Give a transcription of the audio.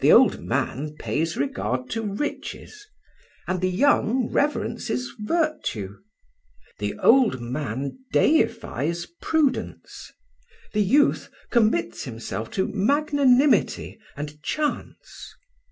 The old man pays regard to riches, and the youth reverences virtue. The old man deifies prudence; the youth commits himself to magnanimity and chance.